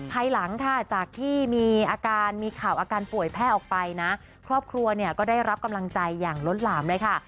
ภายหลังค่ะจากที่มีอาการมีข่าวอาการป่วยแพร่ออกไปนะครอบครัวเนี่ยก็ได้รับกำลังใจอย่างล้นหลามเลยค่ะ